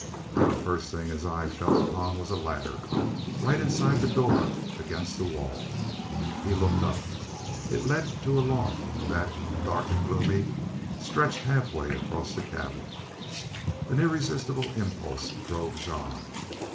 And the first thing his eye fell upon was a ladder, right inside the door, against the wall. He looked up. It led to a loft that, dark and gloomy, stretched halfway across the cabin. An irresistible impulse drove Jean.